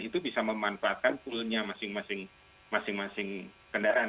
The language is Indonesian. itu bisa memanfaatkan poolnya masing masing masing masing kendaraan